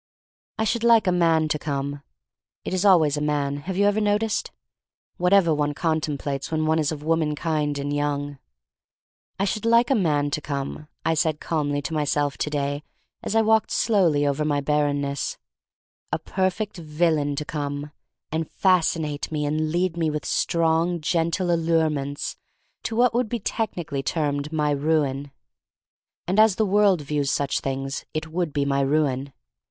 I should like a man to come (it is always a man, have you ever noticed? — whatever one contemplates when one is of womankind and young). I should like a man to come, I said calmly to myself to day as I walked slowly over my barrenness — a perfect villain to come and fascinate me and lead me with strong, gentle allurements to what would be technically termed my ruin. And as the world views such things it would be my ruin.